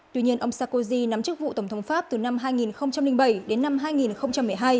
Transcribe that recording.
tuy nhiên ông sarkozy nắm chức vụ tổng thống pháp từ năm hai nghìn bảy đến năm hai nghìn một mươi hai